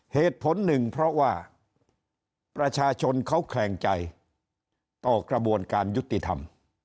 เหตุผลหนึ่งเพราะว่าประชาชนเขาแขลงใจต่อกระบวนการยุติธรรม